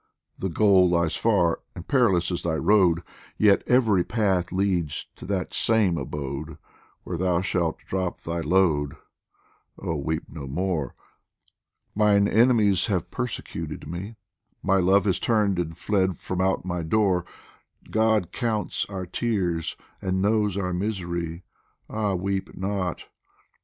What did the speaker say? The goal lies far, and perilous is thy road, Yet every path leads to that same abode Where thou shalt drop thy load oh, weep no more ! Mine enemies have persecuted me, My Love has turned and fled from out my door God counts our tears and knows our misery ; Ah, weep not